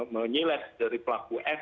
menyeles dari pelaku f